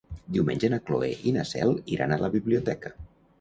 Diumenge na Cloè i na Cel iran a la biblioteca.